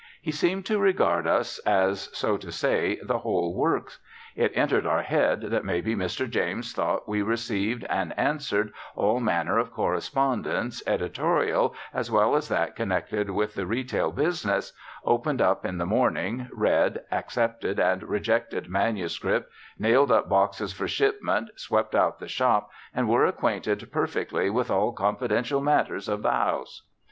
He seemed to regard us as, so to say, the whole works. It entered our head that maybe Mr. James thought we received and answered all manner of correspondence, editorial as well as that connected with the retail business, opened up in the morning, read, accepted, and rejected manuscript, nailed up boxes for shipment, swept out the shop, and were acquainted perfectly with all confidential matters of the House.